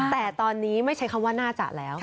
แต่ตอนนี้ไม่ใช้คำว่าน่าจะแล้ว